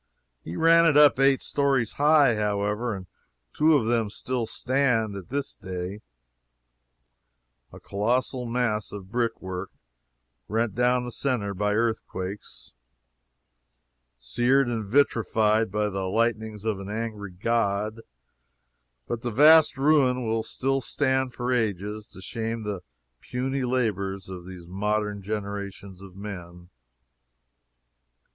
He ran it up eight stories high, however, and two of them still stand, at this day a colossal mass of brickwork, rent down the centre by earthquakes, and seared and vitrified by the lightnings of an angry God. But the vast ruin will still stand for ages, to shame the puny labors of these modern generations of men.